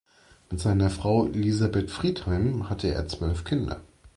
Mit seiner Frau "Elizabeth Friedheim" hatte er zwölf Kinder.